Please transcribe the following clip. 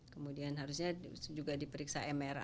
kemudian harusnya juga diperiksa mr